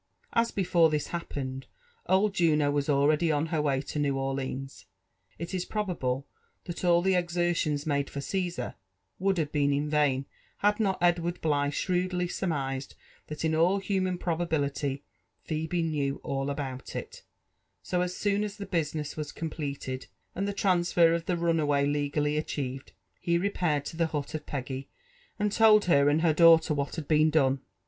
As before this happened old Juno was already on her way la New Orleans, it is probid)Ie that aU the exertions UMde for Cttsar would have been in vain had not Edw«rd Bligh shrewdly sermised that in M human probability Phebe knew all about it; so as soon as the busiaess was completed and the transfer of the runaway legally aehieved, he repaired to the hut of Peggy, and told her and her daughter what had been done.